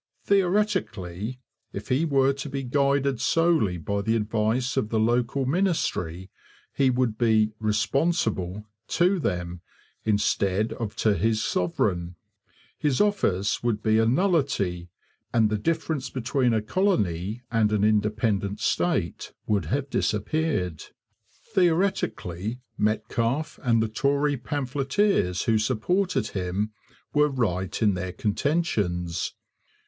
Theoretically, if he were to be guided solely by the advice of the local ministry, he would be 'responsible' to them instead of to his sovereign; his office would be a nullity, and the difference between a colony and an independent state would have disappeared. Theoretically Metcalfe and the Tory pamphleteers who supported him were right in their contentions.